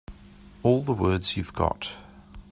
All the words you've got.